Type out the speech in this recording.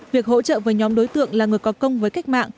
việc hỗ trợ với nhóm đối tượng là người có công với cách mạng